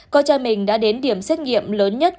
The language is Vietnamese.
con trai mình đã đến điểm xét nghiệm lớn nhất